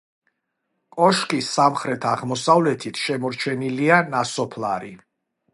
კოშკის სამხრეთ-აღმოსავლეთით შემორჩენილია ნასოფლარი.